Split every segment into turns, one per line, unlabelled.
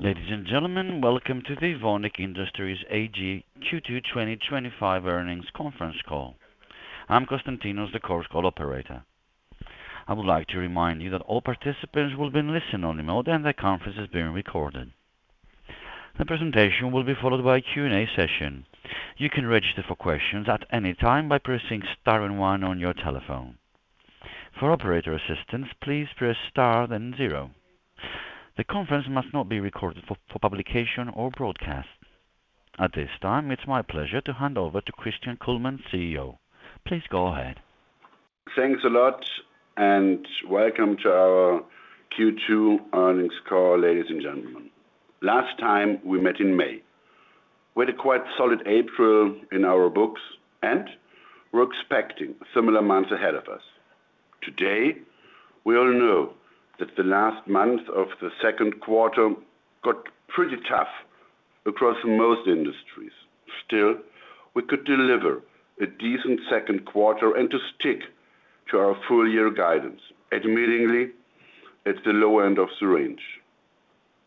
Ladies and gentlemen, welcome to the Evonik Industries AG Q2 2025 earnings conference call. I'm Konstantinos, the Chorus Call operator. I would like to remind you that all participants will be listening only mode and that the conference is being recorded. The presentation will be followed by a Q&A session. You can register for questions at any time by pressing star and one on your telephone. For operator assistance, please press star then zero. The conference must not be recorded for publication or broadcast. At this time, it's my pleasure to hand over to Christian Kullmann, CEO. Please go ahead.
Thanks a lot, and welcome to our Q2 earnings call, ladies and gentlemen. Last time we met in May, we had a quite solid April in our books and were expecting similar months ahead of us. Today, we all know that the last month of the second quarter got pretty tough across most industries. Still, we could deliver a decent second quarter and stick to our full-year guidance. Admittingly, it's the lower end of the range.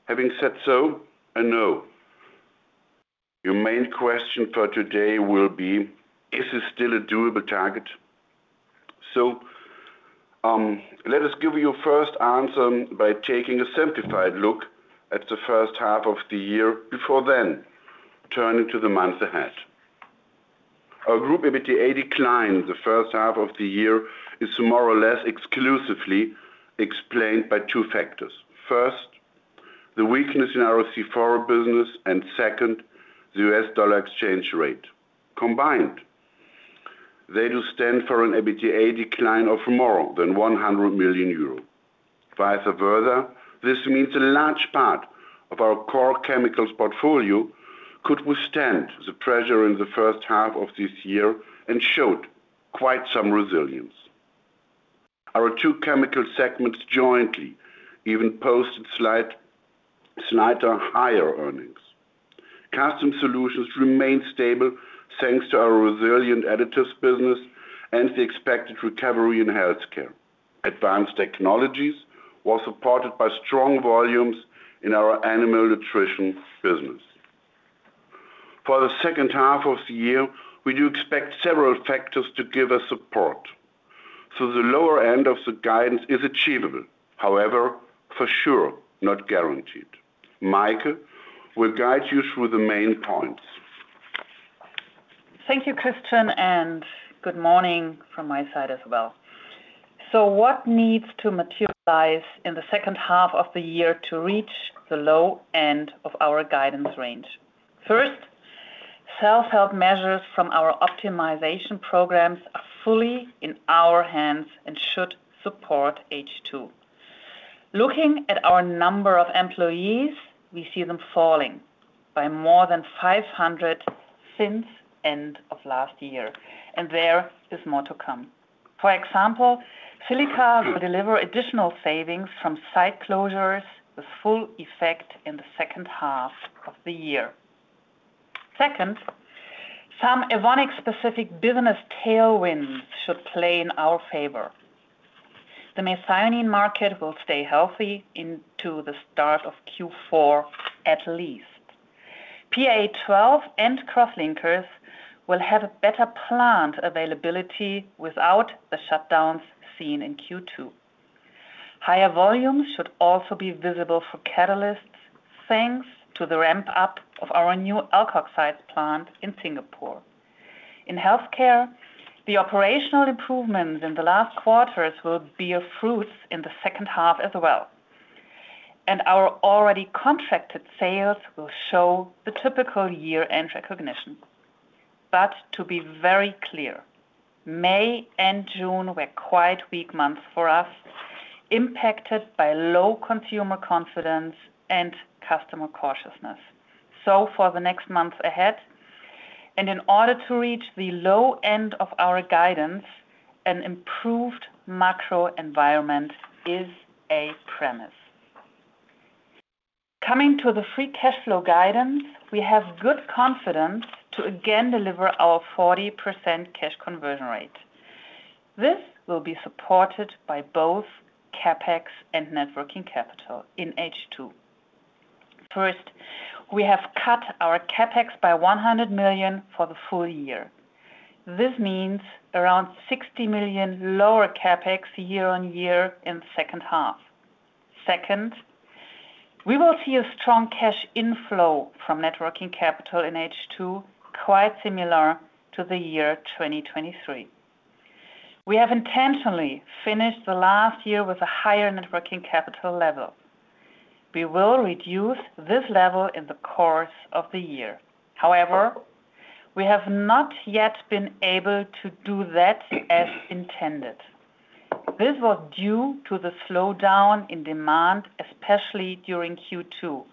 Having said so, I know your main question for today will be, is this still a doable target? Let us give you a first answer by taking a simplified look at the first half of the year before then turning to the month ahead. Our group EBITDA decline in the first half of the year is more or less exclusively explained by two factors. First, the weakness in our C4 business, and second, the US dollar exchange rate. Combined, they do stand for an EBITDA decline of more than 100 million euros. Vice versa, this means a large part of our core chemicals portfolio could withstand the pressure in the first half of this year and showed quite some resilience. Our two chemical segments jointly even posted slightly higher earnings. Custom Solutions remain stable thanks to our resilient additives business and the expected recovery in healthcare. Advanced Technologies were supported by strong volumes in our animal nutrition business. For the second half of the year, we do expect several factors to give us support. The lower end of the guidance is achievable, however, for sure not guaranteed. Maike will guide you through the main points.
Thank you, Christian, and good morning from my side as well. What needs to materialize in the second half of the year to reach the low end of our guidance range? First, self-help measures from our optimization programs are fully in our hands and should support H2. Looking at our number of employees, we see them falling by more than 500 since the end of last year, and there is more to come. For example, Silica will deliver additional savings from site closures with full effect in the second half of the year. Second, some Evonik-specific business tailwinds should play in our favor. The methionine market will stay healthy into the start of Q4 at least. PA12 and cross-linkers will have a better plant availability without the shutdowns seen in Q2. Higher volumes should also be visible for catalysts, thanks to the ramp-up of our new alkoxides plant in Singapore. In healthcare, the operational improvements in the last quarters will bear fruits in the second half as well, and our already contracted sales will show the typical year-end recognition. To be very clear, May and June were quite weak months for us, impacted by low consumer confidence and customer cautiousness. For the next months ahead, and in order to reach the low end of our guidance, an improved macroeconomic environment is a premise. Coming to the free cash flow guidance, we have good confidence to again deliver our 40% cash conversion rate. This will be supported by both CapEx and networking capital in H2. First, we have cut our CapEx by 100 million for the full year. This means around 60 million lower CapEx year-on-year in the second half. Second, we will see a strong cash inflow from networking capital in H2, quite similar to the year 2023. We have intentionally finished the last year with a higher networking capital level. We will reduce this level in the course of the year. However, we have not yet been able to do that as intended. This was due to the slowdown in demand, especially during Q2,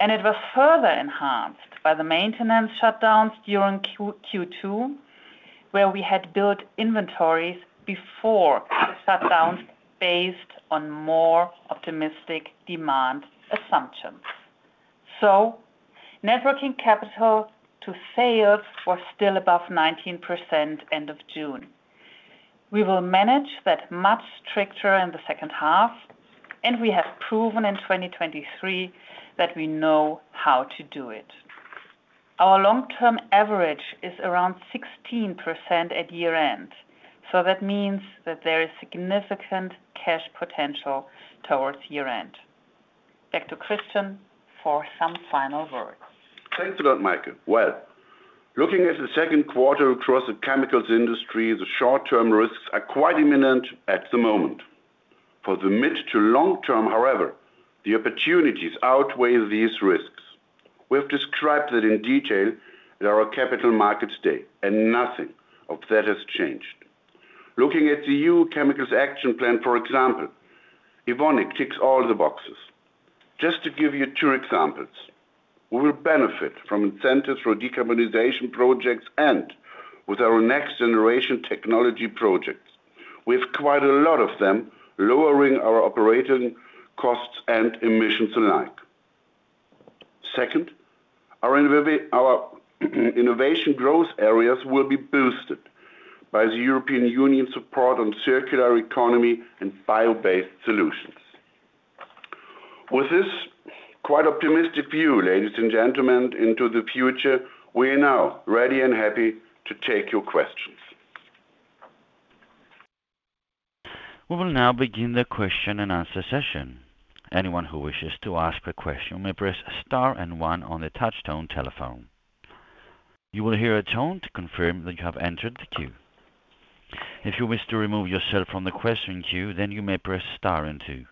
and it was further enhanced by the maintenance shutdowns during Q2, where we had built inventories before the shutdowns based on more optimistic demand assumptions. Networking capital to sales was still above 19% end of June. We will manage that much stricter in the second half, and we have proven in 2023 that we know how to do it. Our long-term average is around 16% at year-end, so that means that there is significant cash potential towards year-end. Back to Christian for some final words.
Thanks a lot, Maike. Looking at the second quarter across the chemicals industry, the short-term risks are quite imminent at the moment. For the mid to long term, however, the opportunities outweigh these risks. We've described that in detail at our capital markets day, and nothing of that has changed. Looking at the EU chemicals action plan, for example, Evonik ticks all the boxes. Just to give you two examples, we will benefit from incentives for decarbonization projects and with our next-generation technology projects. We have quite a lot of them lowering our operating costs and emissions alike. Second, our innovation growth areas will be boosted by the European Union's support on circular economy and bio-based solutions. With this quite optimistic view, ladies and gentlemen, into the future, we are now ready and happy to take your questions.
We will now begin the question and answer session. Anyone who wishes to ask a question may press star and one on the touch-tone telephone. You will hear a tone to confirm that you have entered the queue. If you wish to remove yourself from the question queue, then you may press star and two.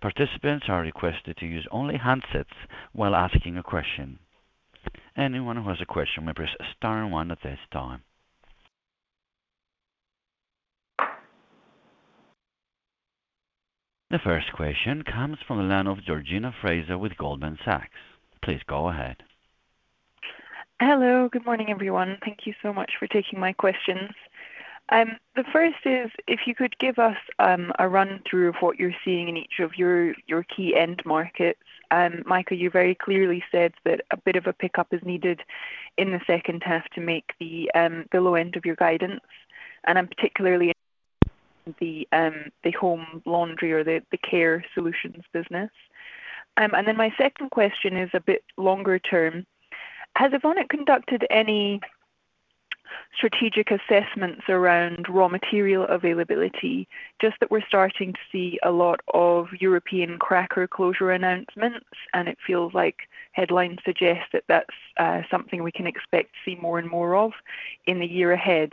Participants are requested to use only handsets while asking a question. Anyone who has a question may press star and one at this time. The first question comes from the line of Georgina Fraser with Goldman Sachs. Please go ahead.
Hello, good morning everyone. Thank you so much for taking my questions. The first is, if you could give us a run-through of what you're seeing in each of your key end markets. Maike, you very clearly said that a bit of a pickup is needed in the second half to make the low end of your guidance, and I'm particularly interested in the home laundry or the care solutions business. My second question is a bit longer term. Has Evonik conducted any strategic assessments around raw material availability? We're starting to see a lot of European cracker closure announcements, and it feels like headlines suggest that that's something we can expect to see more and more of in the year ahead.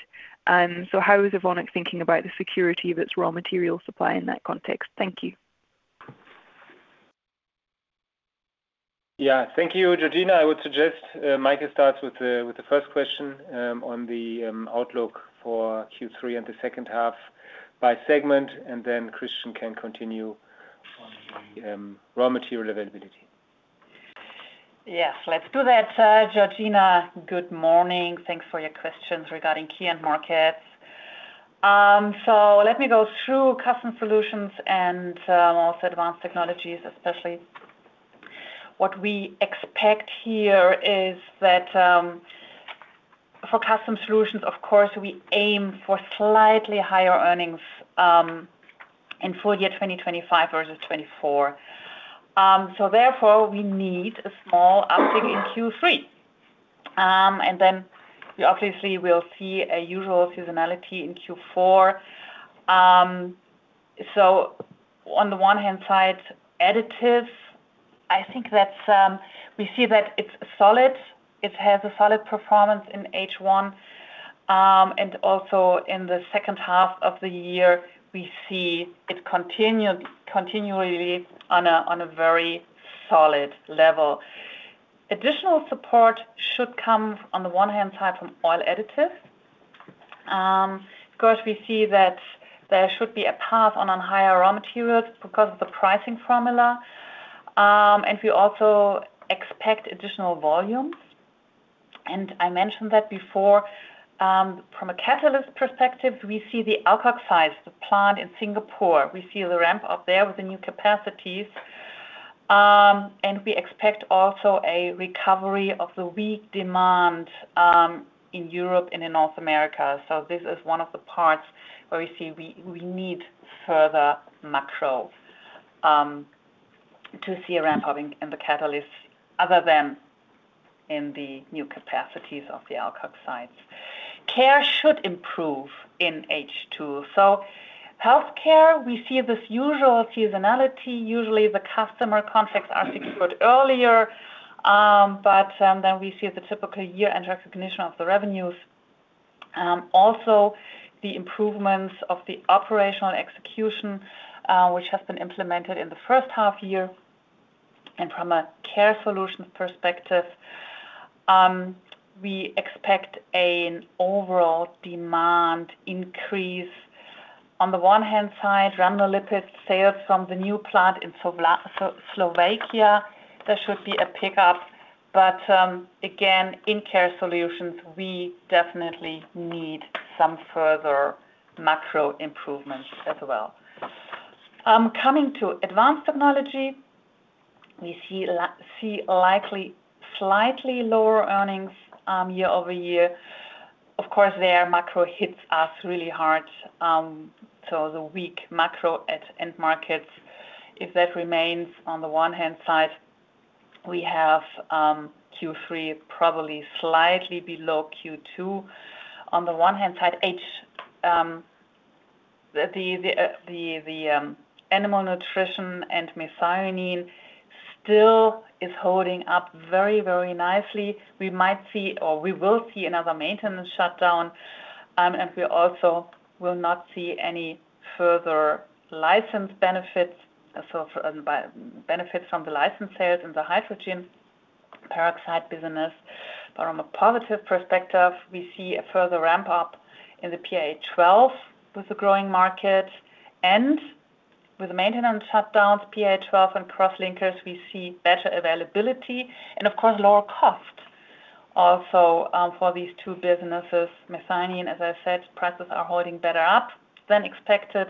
How is Evonik thinking about the security of its raw material supply in that context? Thank you. Yeah, thank you, Georgina. I would suggest Maike starts with the first question on the outlook for Q3 and the second half by segment, and then Christian can continue on the raw material availability.
Yes, let's do that. Georgina, good morning. Thanks for your questions regarding key end markets. Let me go through Custom Solutions and also Advanced Technologies. Especially, what we expect here is that for Custom Solutions, of course, we aim for slightly higher earnings in full year 2025 versus 2024. Therefore, we need a small uptick in Q3, and we obviously will see a usual seasonality in Q4. On the one hand, additives, I think that we see that it's solid. It has a solid performance in H1, and also in the second half of the year, we see it continually on a very solid level. Additional support should come on the one hand from oil additives. Of course, we see that there should be a path on higher raw materials because of the pricing formula, and we also expect additional volumes. I mentioned that before, from a catalyst perspective, we see the alkoxides, the plant in Singapore. We see the ramp-up there with the new capacities, and we expect also a recovery of the weak demand in Europe and in North America. This is one of the parts where we see we need further macros to see a ramp-up in the catalysts other than in the new capacities of the alkoxides. Care should improve in H2. Healthcare, we see this usual seasonality. Usually, the customer conflicts are fixed a bit earlier, but then we see the typical year-end recognition of the revenues. Also, the improvements of the operational execution, which has been implemented in the first half year. From a Care Solution perspective, we expect an overall demand increase. On the one hand, Rhamnolipid sales from the new plant in Slovakia, there should be a pickup. Again, in Care Solutions, we definitely need some further macro improvements as well. Coming to Advanced Technology, we see likely slightly lower earnings year-over-year. Their macro hits us really hard. The weak macro at end markets, if that remains on the one hand, we have Q3 probably slightly below Q2. On the one hand, the animal nutrition and methionine still is holding up very, very nicely. We might see, or we will see, another maintenance shutdown, and we also will not see any further license benefits. Benefits from the license sales in the hydrogen peroxide business. From a positive perspective, we see a further ramp-up in the PA12 with the growing market. With the maintenance shutdowns, PA12 and cross-linkers, we see better availability and, of course, lower cost. Also, for these two businesses, methionine, as I said, prices are holding better up than expected.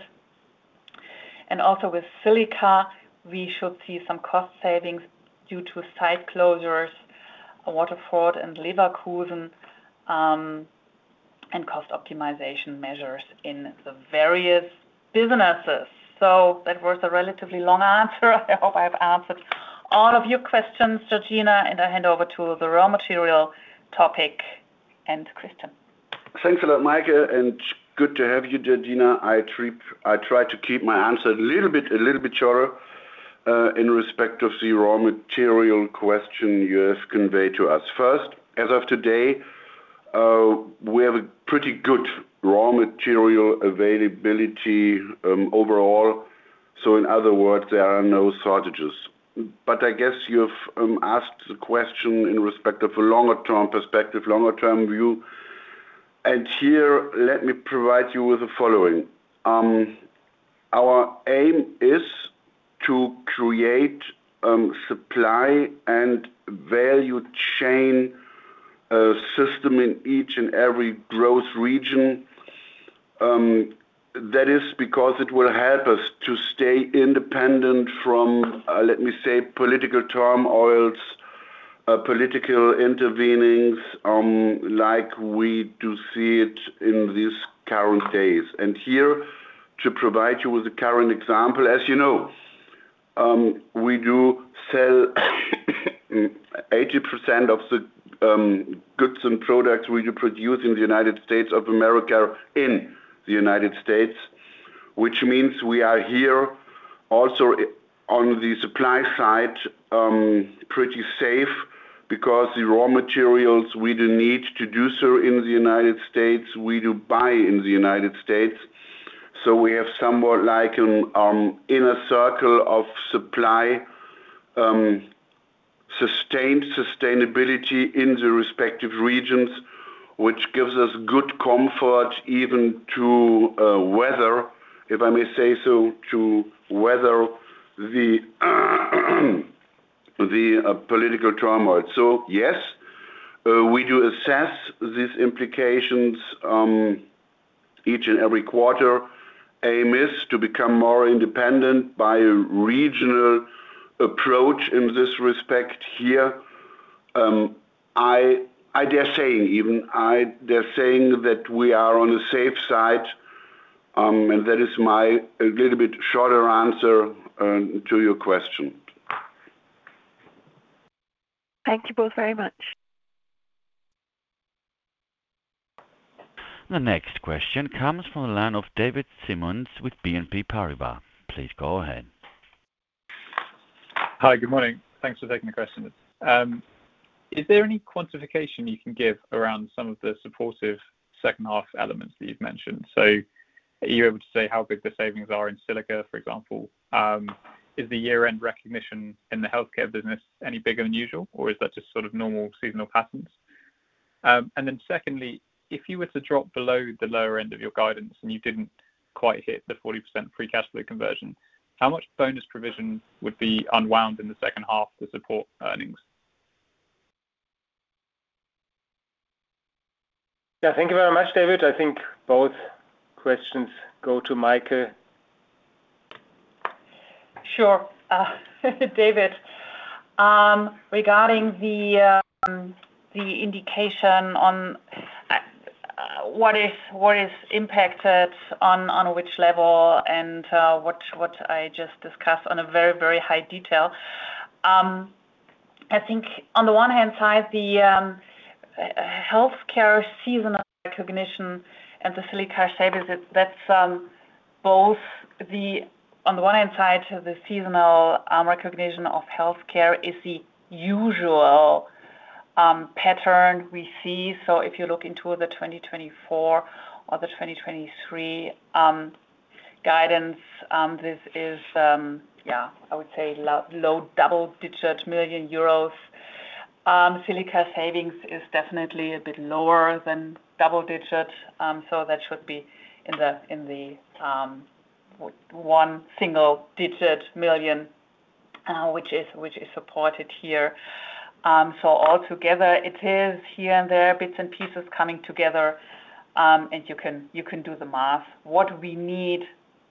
Also with Silica, we should see some cost savings due to site closures, a water fraud in Leverkusen, and cost optimization measures in the various businesses. That was a relatively long answer. I hope I have answered all of your questions, Georgina, and I hand over to the raw material topic and Christian.
Thanks a lot, Maike, and good to have you, Georgina. I tried to keep my answer a little bit shorter in respect of the raw material question you have conveyed to us. First, as of today, we have a pretty good raw material availability overall. In other words, there are no shortages. I guess you've asked a question in respect of a longer-term perspective, longer-term view. Here, let me provide you with the following. Our aim is to create a supply and value chain system in each and every growth region. That is because it will help us to stay independent from, let me say, political turmoils, political intervenings like we do see it in these current days. To provide you with a current example, as you know, we do sell 80% of the goods and products we do produce in the United States of America in the United States, which means we are here also on the supply side pretty safe because the raw materials we do need to do so in the United States, we do buy in the United States. We have somewhat like an inner circle of supply, sustained sustainability in the respective regions, which gives us good comfort even to weather, if I may say so, to weather the political turmoil. Yes, we do assess these implications each and every quarter. Aim is to become more independent by a regional approach in this respect here. They're saying even, they're saying that we are on the safe side, and that is my a little bit shorter answer to your question.
Thank you both very much.
The next question comes from the line of David Symonds with BNP Paribas. Please go ahead.
Hi, good morning. Thanks for taking the question. Is there any quantification you can give around some of the supportive second-half elements that you've mentioned? Are you able to say how big the savings are in Silica, for example? Is the year-end recognition in the healthcare business any bigger than usual, or is that just sort of normal seasonal patterns? If you were to drop below the lower end of your guidance and you didn't quite hit the 40% pre-cash flow conversion, how much bonus provision would be unwound in the second half to support earnings? Yeah, thank you very much, David. I think both questions go to Maike.
Sure, David. Regarding the indication on what is impacted on which level and what I just discussed on a very, very high detail, I think on the one hand side, the healthcare seasonal recognition and the Silica savings, that's both the, on the one hand side, the seasonal recognition of healthcare is the usual pattern we see. If you look into the 2024 or the 2023 guidance, this is, yeah, I would say low double-digit million euros. Silica savings is definitely a bit lower than double-digit, so that should be in the one single-digit million, which is supported here. Altogether, it is here and there, bits and pieces coming together, and you can do the math. What we need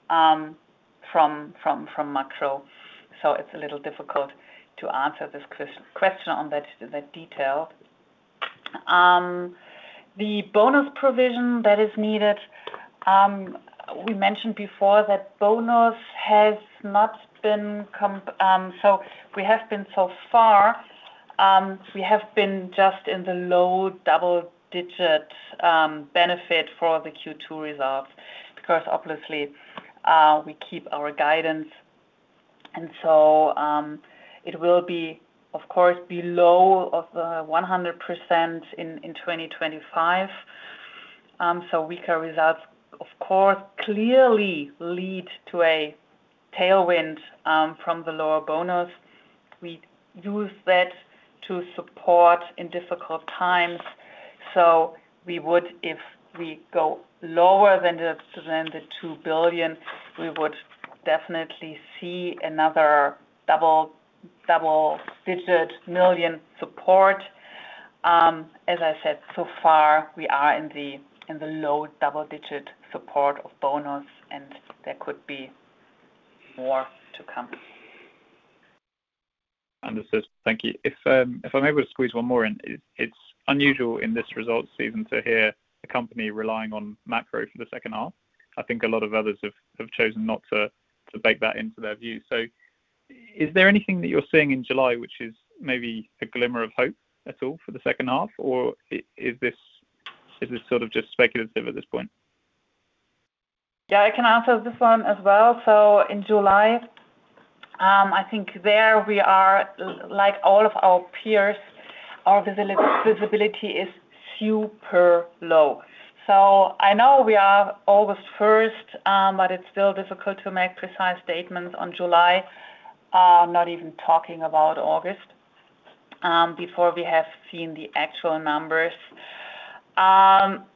from macro, it's a little difficult to answer this question on that detail. The bonus provision that is needed, we mentioned before that bonus has not been compared. We have been so far, we have been just in the low double-digit benefit for the Q2 results because obviously, we keep our guidance. It will be, of course, below the 100% in 2025. Weaker results, of course, clearly lead to a tailwind from the lower bonus. We use that to support in difficult times. If we go lower than the 2 billion, we would definitely see another double-digit million support. As I said, so far, we are in the low double-digit support of bonus, and there could be more to come.
Understood. Thank you. If I'm able to squeeze one more in, it's unusual in this result season to hear a company relying on macro for the second half. I think a lot of others have chosen not to bake that into their view. Is there anything that you're seeing in July which is maybe a glimmer of hope at all for the second half, or is this sort of just speculative at this point?
I can answer this one as well. In July, I think there we are, like all of our peers, our visibility is super low. I know we are August 1st, but it's still difficult to make precise statements on July, not even talking about August before we have seen the actual numbers.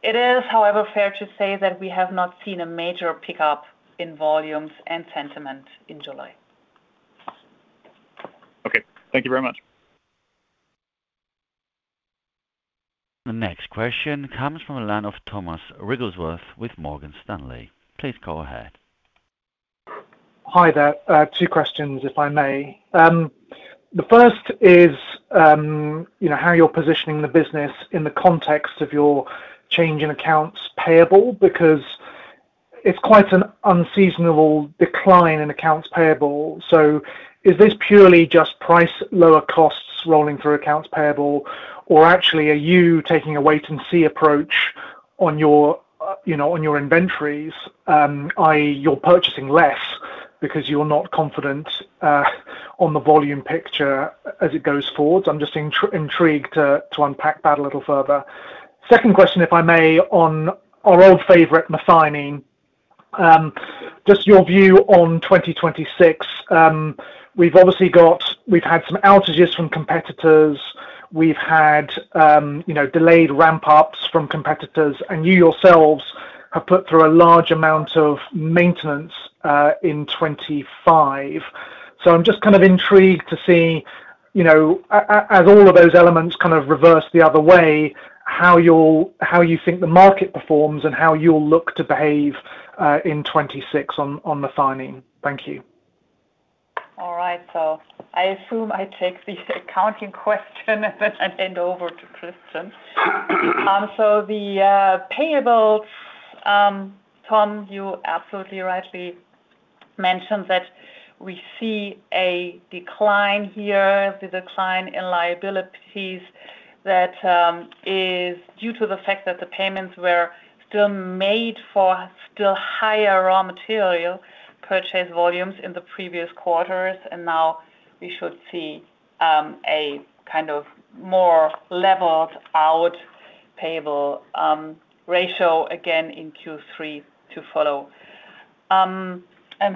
It is, however, fair to say that we have not seen a major pickup in volumes and sentiment in July.
Okay, thank you very much.
The next question comes from the line of Thomas Wrigglesworth with Morgan Stanley. Please go ahead.
Hi there. Two questions, if I may. The first is, you know, how you're positioning the business in the context of your change in accounts payable because it's quite an unseasonable decline in accounts payable. Is this purely just price lower costs rolling through accounts payable, or actually are you taking a wait-and-see approach on your inventories, i.e., you're purchasing less because you're not confident on the volume picture as it goes forward? I'm just intrigued to unpack that a little further. Second question, if I may, on our old favorite, methionine, just your view on 2026. We've obviously got, we've had some outages from competitors. We've had, you know, delayed ramp-ups from competitors, and you yourselves have put through a large amount of maintenance in 2025. I'm just kind of intrigued to see, you know, as all of those elements kind of reverse the other way, how you think the market performs and how you'll look to behave in 2026 on methionine. Thank you.
All right. I assume I take the accounting question and then I hand over to Christian. The payables, Tom, you absolutely rightly mentioned that we see a decline here, the decline in liabilities that is due to the fact that the payments were still made for still higher raw material purchase volumes in the previous quarters. Now we should see a kind of more leveled-out payable ratio again in Q3 to follow.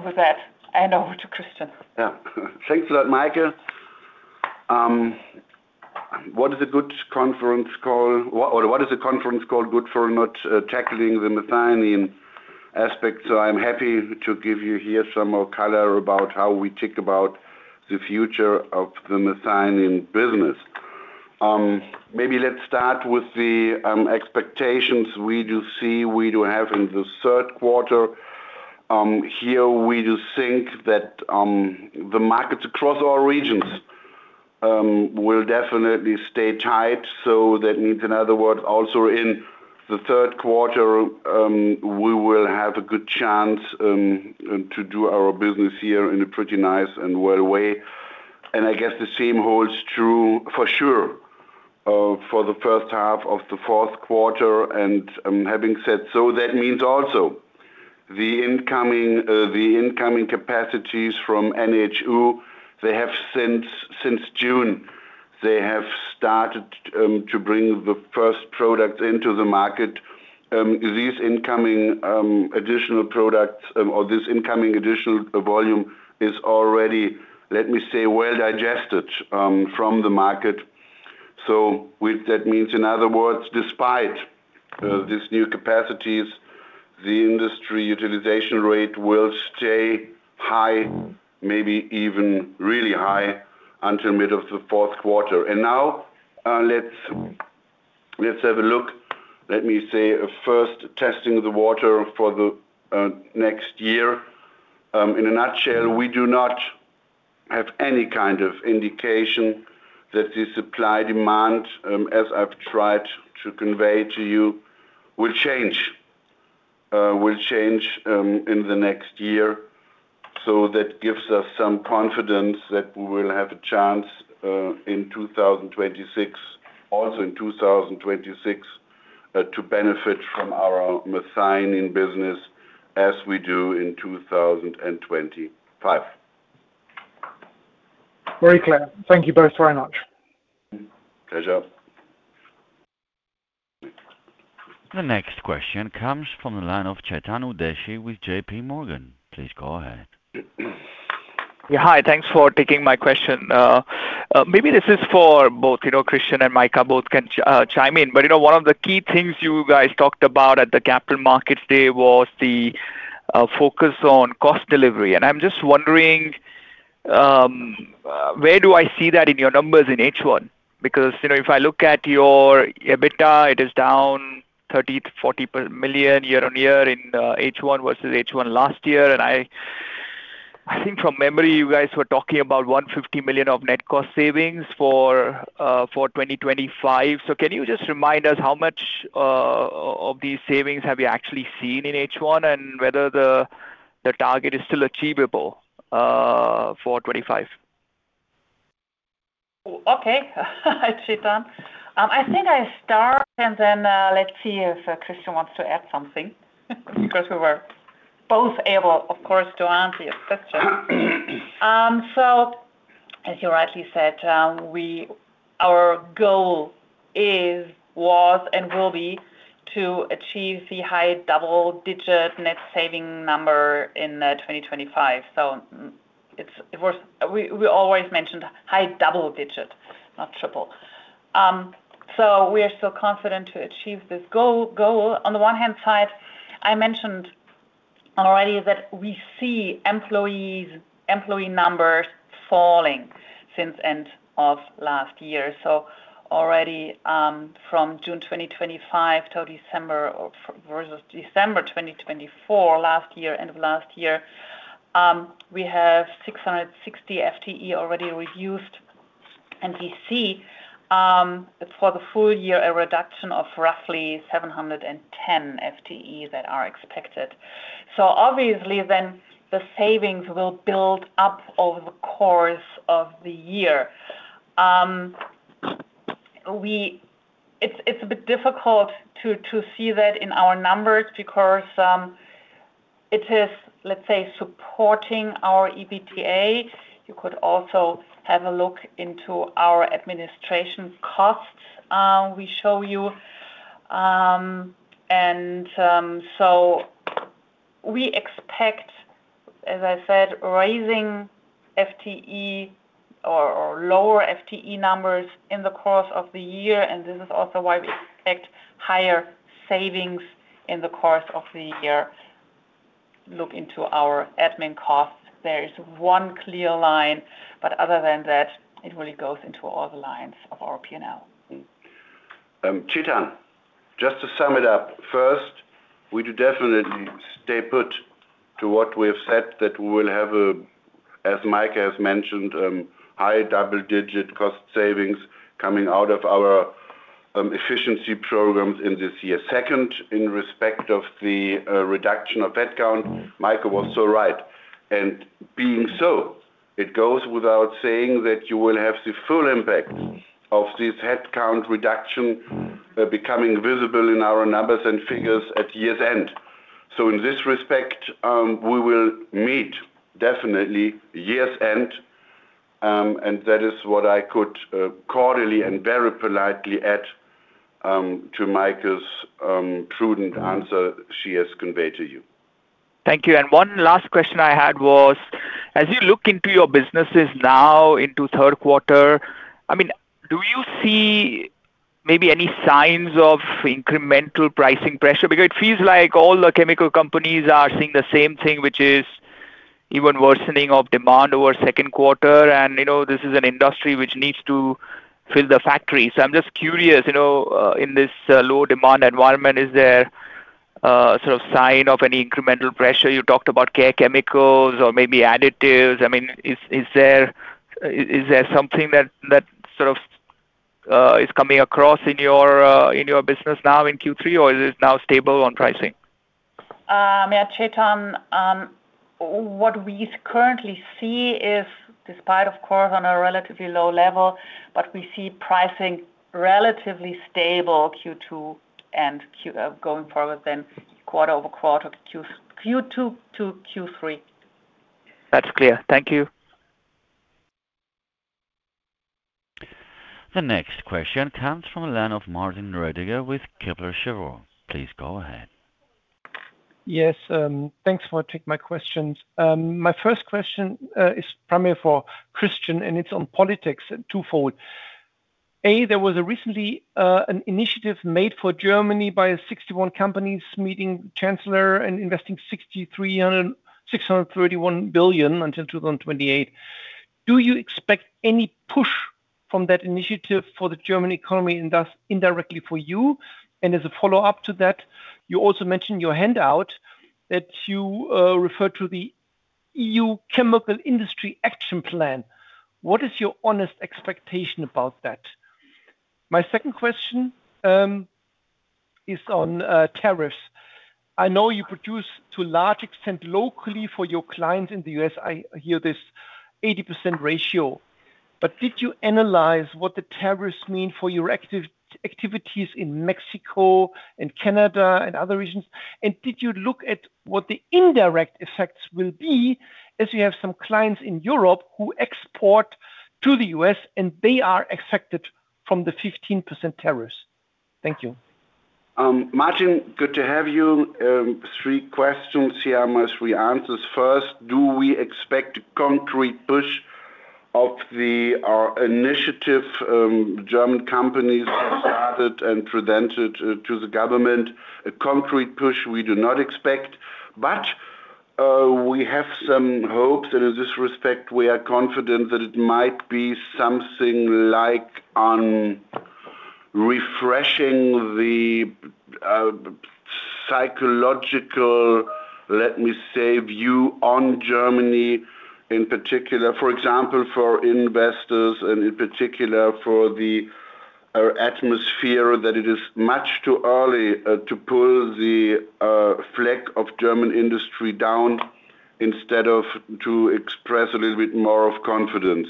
With that, I hand over to Christian.
Yeah. Thanks a lot, Maike. What is a good conference call? Or what is a conference call good for not tackling the methionine aspect? I'm happy to give you here some more color about how we think about the future of the methionine business. Maybe let's start with the expectations we do see we do have in the third quarter. Here, we do think that the markets across all regions will definitely stay tight. That means, in other words, also in the third quarter, we will have a good chance to do our business here in a pretty nice and well way. I guess the same holds true for sure for the first half of the fourth quarter. Having said so, that means also the incoming capacities from NHU. Since June, they have started to bring the first products into the market. These incoming additional products or this incoming additional volume is already, let me say, well-digested from the market. That means, in other words, despite these new capacities, the industry utilization rate will stay high, maybe even really high until the middle of the fourth quarter. Now, let's have a look. Let me say a first testing of the water for the next year. In a nutshell, we do not have any kind of indication that the supply-demand, as I've tried to convey to you, will change in the next year. That gives us some confidence that we will have a chance in 2026, also in 2026, to benefit from our methionine business as we do in 2025.
Very clear. Thank you both very much.
Pleasure.
The next question comes from Chetan Udeshi with JPMorgan. Please go ahead.
Yeah, hi. Thanks for taking my question. Maybe this is for both Christian and Maike. Both can chime in. One of the key things you guys talked about at the Capital Markets Day was the focus on cost delivery. I'm just wondering, where do I see that in your numbers in H1? If I look at your EBITDA, it is down 30 million-40 million year-on-year in H1 versus H1 last year. I think from memory, you guys were talking about 150 million of net cost savings for 2025. Can you just remind us how much of these savings have you actually seen in H1 and whether the target is still achievable for 2025?
Okay, Chetan. I think I'll start and then let's see if Christian wants to add something because we were both able, of course, to answer your question. As you rightly said, our goal was and will be to achieve the high double-digit net saving number in 2025. It was we always mentioned high double-digit, not triple. We are still confident to achieve this goal. On the one-hand side, I mentioned already that we see employee numbers falling since the end of last year. Already from June 2025 to December or versus December 2024, last year, end of last year, we have 660 FTE already reduced. We see for the full year a reduction of roughly 710 FTE that are expected. Obviously, then the savings will build up over the course of the year. It's a bit difficult to see that in our numbers because it is, let's say, supporting our EBITDA. You could also have a look into our administration costs we show you. We expect, as I said, raising FTE or lower FTE numbers in the course of the year. This is also why we expect higher savings in the course of the year. Look into our admin costs. There is one clear line, but other than that, it really goes into all the lines of our P&L.
Chetan, just to sum it up, first, we do definitely stay put to what we have said that we will have, as Maike has mentioned, high double-digit cost savings coming out of our efficiency programs in this year. Second, in respect of the reduction of headcount, Maike was so right. It goes without saying that you will have the full impact of this headcount reduction becoming visible in our numbers and figures at year's end. In this respect, we will meet definitely year's end. That is what I could cordially and very politely add to Maike's prudent answer she has conveyed to you.
Thank you. One last question I had was, as you look into your businesses now into the third quarter, do you see maybe any signs of incremental pricing pressure? It feels like all the chemical companies are seeing the same thing, which is even worsening of demand over the second quarter. This is an industry which needs to fill the factory. I'm just curious, in this low demand environment, is there a sort of sign of any incremental pressure? You talked about care chemicals or maybe additives. Is there something that is coming across in your business now in Q3, or is it now stable on pricing?
Chetan, what we currently see is, despite, of course, on a relatively low level, we see pricing relatively stable Q2 and going forward quarter over quarter Q2 to Q3.
That's clear. Thank you.
The next question comes from the line of Martin Roediger with Kepler Cheuvreux. Please go ahead.
Yes, thanks for taking my questions. My first question is primarily for Christian, and it's on politics twofold. A, there was recently an initiative made for Germany by 61 companies meeting the Chancellor and investing 631 billion until 2028. Do you expect any push from that initiative for the German economy and thus indirectly for you? As a follow-up to that, you also mentioned in your handout that you refer to the EU Chemical Industry Action Plan. What is your honest expectation about that? My second question is on tariffs. I know you produce to a large extent locally for your clients in the U.S. I hear this 80% ratio. Did you analyze what the tariffs mean for your activities in Mexico and Canada and other regions? Did you look at what the indirect effects will be as you have some clients in Europe who export to the U.S. and they are affected from the 15% tariffs? Thank you.
Martin, good to have you. Three questions here, my three answers. First, do we expect a concrete push of our initiative? The German companies started and presented to the government a concrete push we do not expect. We have some hopes that in this respect we are confident that it might be something like refreshing the psychological, let me say, view on Germany in particular, for example, for investors and in particular for the atmosphere that it is much too early to pull the flag of German industry down instead of to express a little bit more of confidence.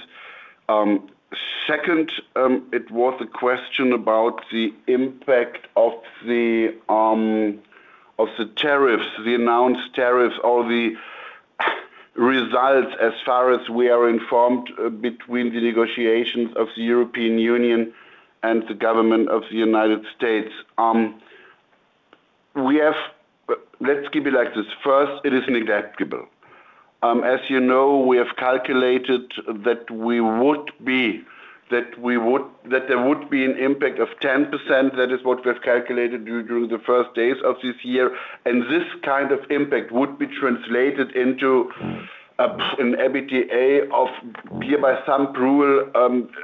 Second, it was the question about the impact of the tariffs, the announced tariffs, or the results as far as we are informed between the negotiations of the European Union and the government of the United States. Let's keep it like this. First, it is negligible. As you know, we have calculated that we would be that there would be an impact of 10%. That is what we have calculated during the first days of this year. This kind of impact would be translated into an EBITDA of, here by some rule,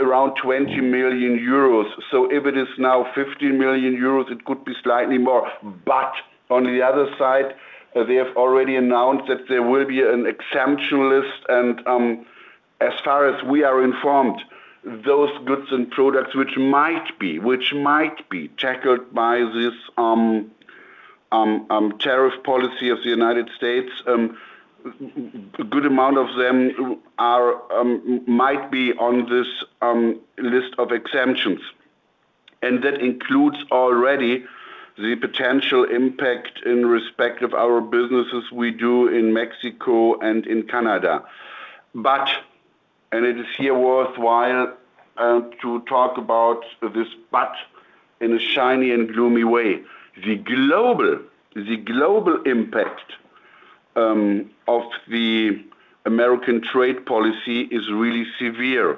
around 20 million euros. If it is now 15 million euros, it could be slightly more. On the other side, they have already announced that there will be an exemption list. As far as we are informed, those goods and products which might be tackled by this tariff policy of the United States, a good amount of them might be on this list of exemptions. That includes already the potential impact in respect of our businesses we do in Mexico and in Canada. It is here worthwhile to talk about this, but in a shiny and gloomy way. The global impact of the American trade policy is really severe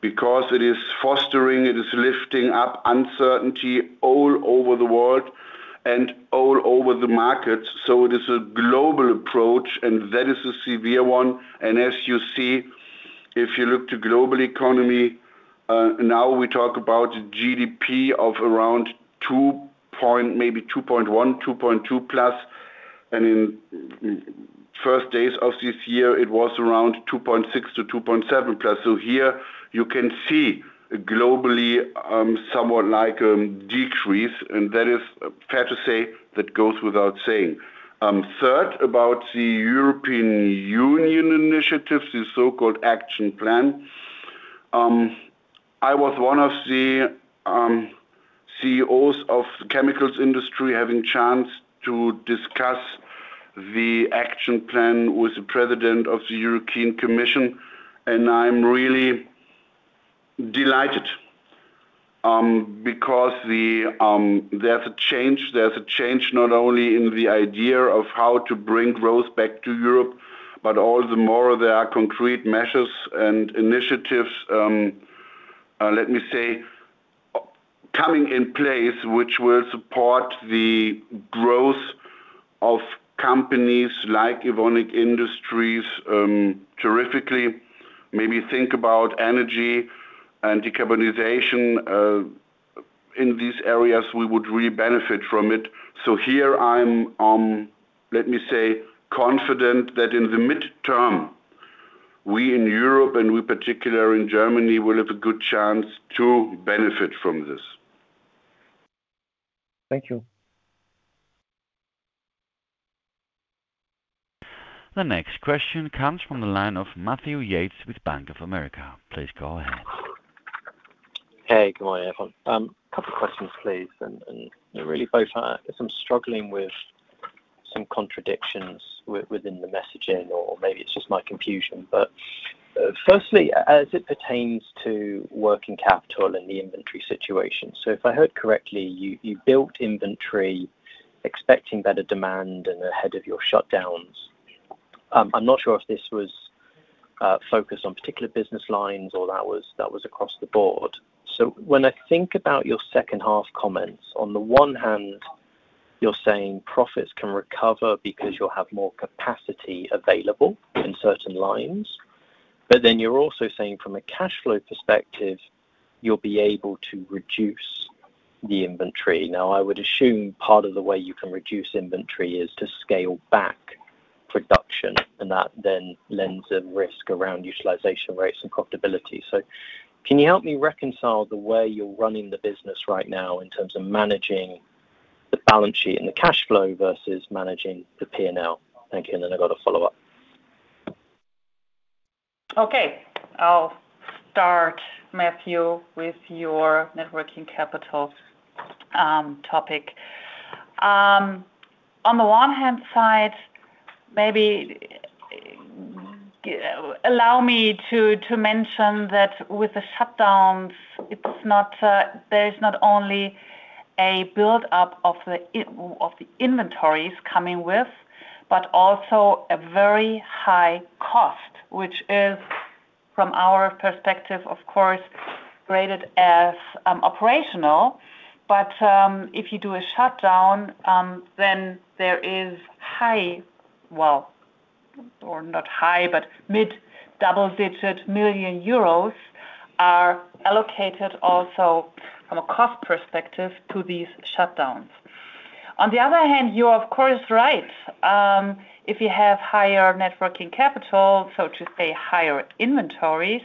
because it is fostering, it is lifting up uncertainty all over the world and all over the markets. It is a global approach, and that is a severe one. If you look at the global economy, now we talk about a GDP of around 2 point, maybe 2.1, 2.2+. In the first days of this year, it was around 2.6%-2.7%+. Here you can see a globally somewhat like a decrease. That is fair to say that goes without saying. Third, about the European Union initiatives, the so-called Action Plan, I was one of the CEOs of the chemicals industry having a chance to discuss the Action Plan with the President of the European Commission. I'm really delighted because there's a change. There's a change not only in the idea of how to bring growth back to Europe, but all the more there are concrete measures and initiatives, let me say, coming in place, which will support the growth of companies like Evonik Industries terrifically. Maybe think about energy and decarbonization in these areas. We would really benefit from it. Here, let me say, I'm confident that in the midterm, we in Europe and we particularly in Germany will have a good chance to benefit from this.
Thank you.
The next question comes from Matthew Yates with Bank of America. Please go ahead.
Hey, good morning, everyone. A couple of questions, please. Really both are. I guess I'm struggling with some contradictions within the messaging, or maybe it's just my confusion. Firstly, as it pertains to working capital and the inventory situation, if I heard correctly, you built inventory expecting better demand and ahead of your shutdowns. I'm not sure if this was focused on particular business lines or if that was across the board. When I think about your second-half comments, on the one hand, you're saying profits can recover because you'll have more capacity available in certain lines. You're also saying from a cash flow perspective, you'll be able to reduce the inventory. I would assume part of the way you can reduce inventory is to scale back production, and that then lends a risk around utilization rates and profitability. Can you help me reconcile the way you're running the business right now in terms of managing the balance sheet and the cash flow versus managing the P&L? Thank you. I've got a follow-up.
Okay. I'll start, Matthew, with your working capital topic. On the one hand, maybe allow me to mention that with the shutdowns, there is not only a build-up of the inventories coming with, but also a very high cost, which is from our perspective, of course, graded as operational. If you do a shutdown, then mid-double-digit million euros are allocated also from a cost perspective to these shutdowns. On the other hand, you're, of course, right. If you have higher working capital, so to say, higher inventories,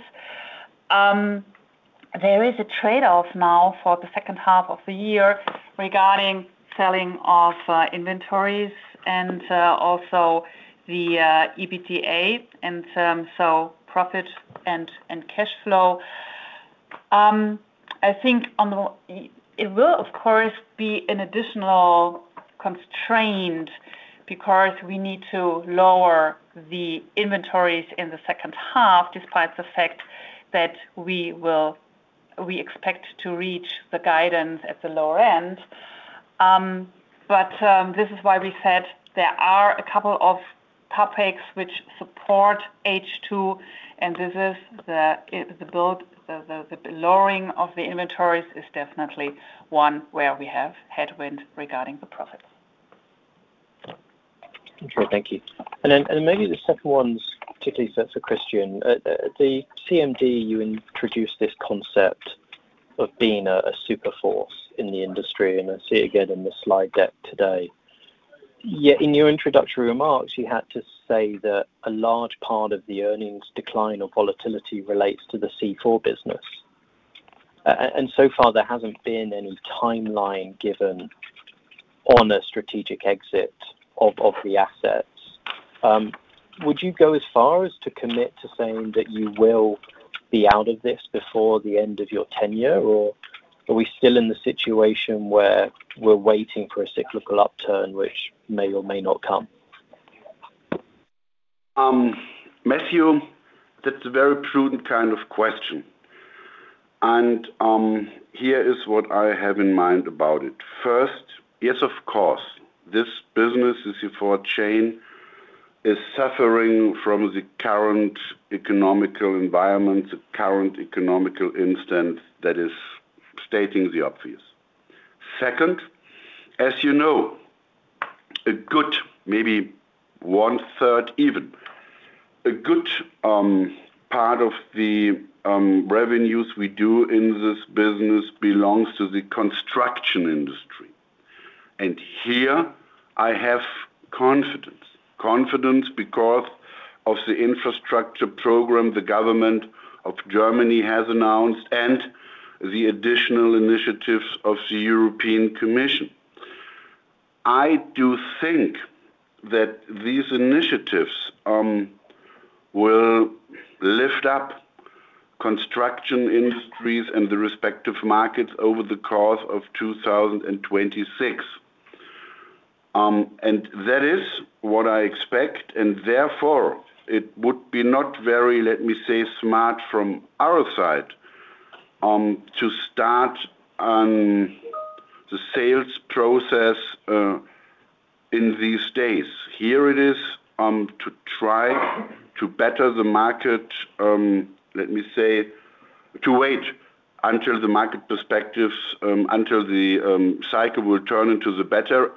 there is a trade-off now for the second half of the year regarding selling of inventories and also the EBITDA, and so profit and cash flow. I think it will, of course, be an additional constraint because we need to lower the inventories in the second half, despite the fact that we expect to reach the guidance at the lower end. This is why we said there are a couple of topics which support H2, and lowering of the inventories is definitely one where we have headwind regarding the profits.
Okay, thank you. Maybe the second one's particularly for Christian. At the CMD, you introduced this concept of being a super force in the industry, and I see it again in the slide deck today. In your introductory remarks, you had to say that a large part of the earnings decline or volatility relates to the C4 business. So far, there hasn't been any timeline given on a strategic exit of the assets. Would you go as far as to commit to saying that you will be out of this before the end of your tenure, or are we still in the situation where we're waiting for a cyclical upturn, which may or may not come?
Matthew, that's a very prudent kind of question. Here is what I have in mind about it. First, yes, of course, this business, the [C4] chain, is suffering from the current macroeconomic environment, the current macroeconomic instance that is stating the obvious. Second, as you know, a good, maybe one-third even, a good part of the revenues we do in this business belongs to the construction industry. I have confidence because of the infrastructure program the government of Germany has announced and the additional initiatives of the European Commission. I do think that these initiatives will lift up construction industries and the respective markets over the course of 2026. That is what I expect. Therefore, it would be not very, let me say, smart from our side to start the sales process in these days. It is to try to better the market, let me say, to wait until the market perspectives, until the cycle will turn into the better.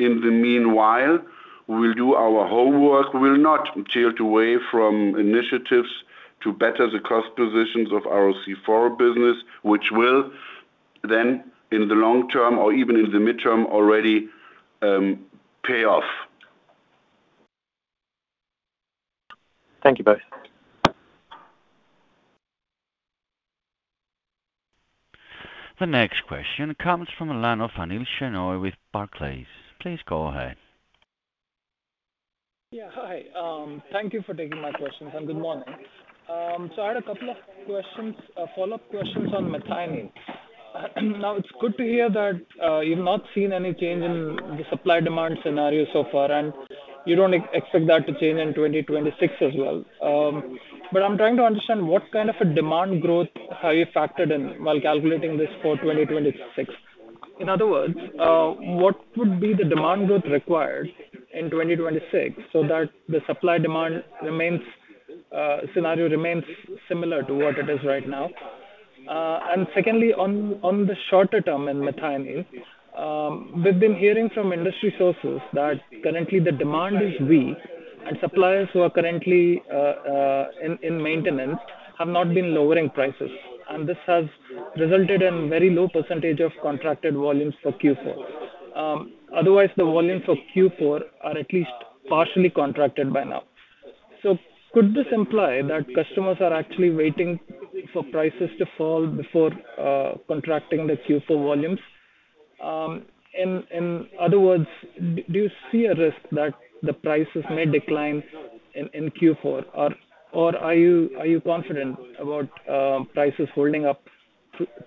In the meanwhile, we'll do our homework. We'll not tilt away from initiatives to better the cost positions of our C4 business, which will then, in the long term or even in the midterm, already pay off.
Thank you both.
The next question comes from Anil Shenoy with Barclays. Please go ahead.
Yeah, hi. Thank you for taking my questions and good morning. I had a couple of questions, follow-up questions on methionine. It's good to hear that you've not seen any change in the supply-demand scenario so far, and you don't expect that to change in 2026 as well. I'm trying to understand what kind of a demand growth you have factored in while calculating this for 2026. In other words, what would be the demand growth required in 2026 so that the supply-demand scenario remains similar to what it is right now? Secondly, on the shorter term in methionine, we've been hearing from industry sources that currently the demand is weak, and suppliers who are currently in maintenance have not been lowering prices. This has resulted in a very low % of contracted volumes for Q4. Otherwise, the volumes for Q4 are at least partially contracted by now. Could this imply that customers are actually waiting for prices to fall before contracting the Q4 volumes? In other words, do you see a risk that the prices may decline in Q4, or are you confident about prices holding up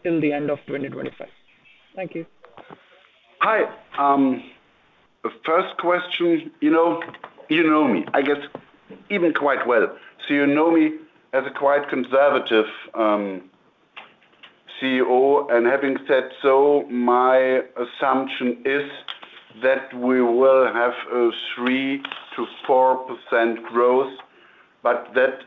till the end of 2025? Thank you.
Hi. First question, you know me, I guess, even quite well. You know me as a quite conservative CEO. Having said so, my assumption is that we will have a 3%-4% growth. That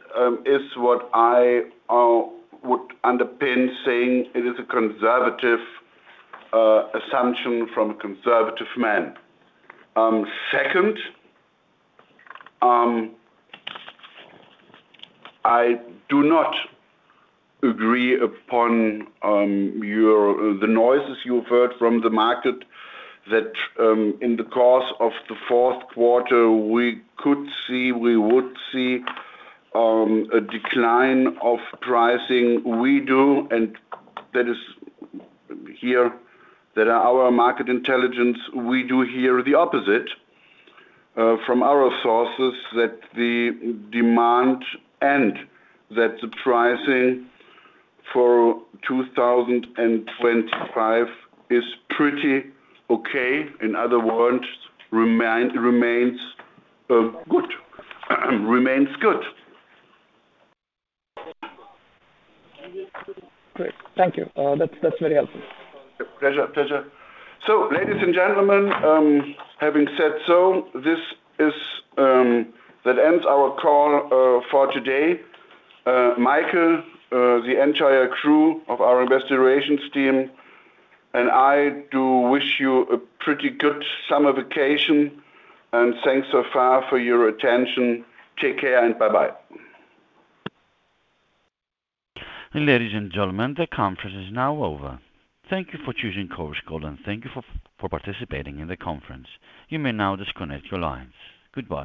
is what I would underpin, saying it is a conservative assumption from a conservative man. Second, I do not agree upon the noises you've heard from the market that in the course of the fourth quarter, we could see, we would see a decline of pricing. We do, and that is here that our market intelligence, we do hear the opposite from our sources that the demand and that the pricing for 2025 is pretty okay. In other words, it remains good.
Great. Thank you. That's very helpful.
Pleasure, pleasure. Ladies and gentlemen, having said so, this ends our call for today. Maike, the entire crew of our investigations team, and I do wish you a pretty good summer vacation. Thanks so far for your attention. Take care and bye-bye.
Ladies and gentlemen, the conference is now over. Thank you for choosing Chorus Call and thank you for participating in the conference. You may now disconnect your lines. Goodbye.